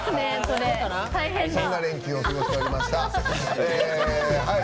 そんな連休を過ごしておりました。